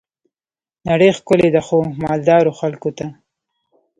نړۍ ښکلي ده خو، مالدارو خلګو ته.